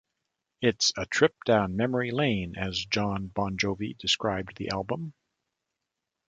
It's a "trip down memory lane" as Jon Bon Jovi described the album.